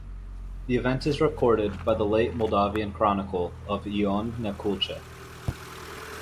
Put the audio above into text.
The event is recorded by the late Moldavian chronicle of Ion Neculce.